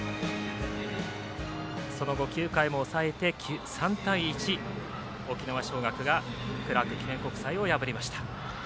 その後９回も抑えて、３対１。沖縄尚学がクラーク記念国際を破りました。